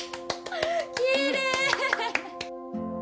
きれい！